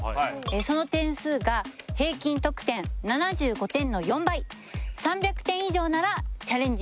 その点数が平均得点７５点の４倍３００点以上ならチャレンジ